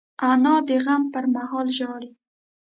انا د غم پر مهال ژاړي